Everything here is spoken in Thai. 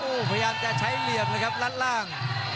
พยายามจะใช้เหลี่ยมเลยครับลัดล่าง